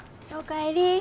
お帰り。